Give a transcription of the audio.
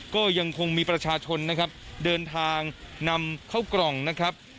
ก็ยังคงมีประชาชนนะครับเดินทางนำเข้ากล่องนะครับ